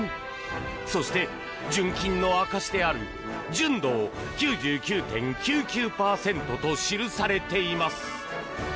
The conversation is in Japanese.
そして、純金の証しである純度９９．９９％と記されています。